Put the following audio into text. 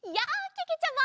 けけちゃま。